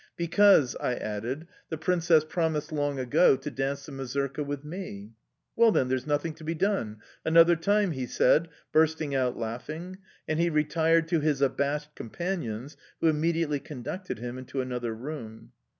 "Because," I added, "the Princess promised long ago to dance the mazurka with me." "Well, then, there's nothing to be done! Another time!" he said, bursting out laughing, and he retired to his abashed companions, who immediately conducted him into another room.